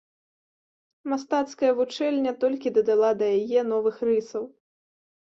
Мастацкая вучэльня толькі дадала да яе новых рысаў.